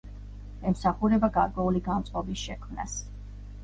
ემსახურება გარკვეული განწყობის შექმნას.